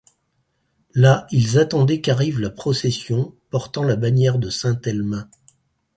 Là, ils attendaient qu'arrive la procession portant la bannière de saint Elme.